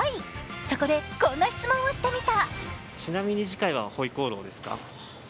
そこで、こんな質問をしてみた。